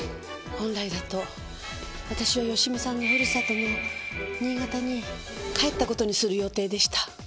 本来だと私は芳美さんのふるさとの新潟に帰った事にする予定でした。